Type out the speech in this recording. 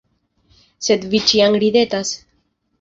Sed Vi ĉiam ridetas.